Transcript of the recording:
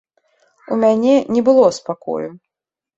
У мяне не было спакою.